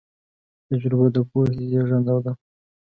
تجربه د پوهې زېږنده ده.